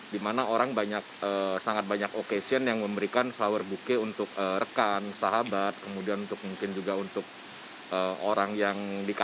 dimana orang banyak sangat banyak occasion yang memberikan flower bookie untuk rekan sahabat kemudian untuk mungkin juga untuk orang yang dikawal